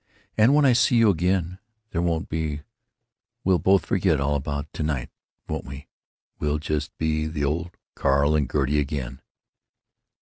And when I see you again there won't be—we'll both forget all about to night, won't we? We'll just be the old Carl and Gertie again.